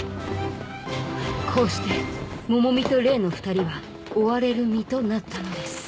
こうして百美と麗の２人は追われる身となったのです。